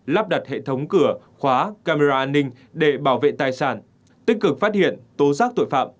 lắp đặt hệ thống cửa khóa camera an ninh để bảo vệ tài sản tích cực phát hiện tố giác tội phạm